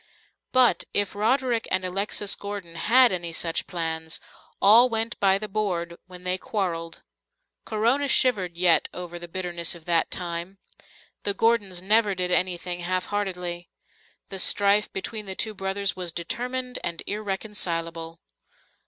But, if Roderick and Alexis Gordon had any such plans, all went by the board when they quarreled. Corona shivered yet over the bitterness of that time. The Gordons never did anything half heartedly. The strife between the two brothers was determined and irreconcilable.